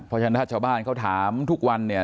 เพราะฉะนั้นถ้าชาวบ้านเขาถามทุกวันเนี่ย